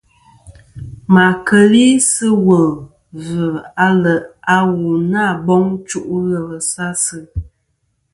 Ma keli sɨ wul vzɨ aleʼ a wu na boŋ chuʼ ghelɨ sa asɨ.